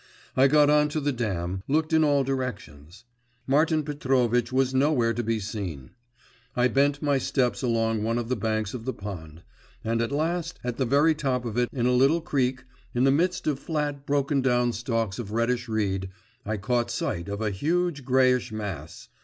I got on to the dam, looked in all directions.… Martin Petrovitch was nowhere to be seen. I bent my steps along one of the banks of the pond, and at last, at the very top of it, in a little creek, in the midst of flat broken down stalks of reddish reed, I caught sight of a huge greyish mass.